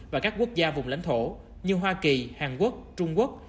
và các quốc gia vùng lãnh thổ như hoa kỳ hàn quốc trung quốc